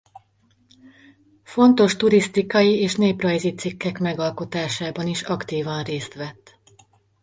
Fontos turisztikai és néprajzi cikkek megalkotásában is aktívan részt vett.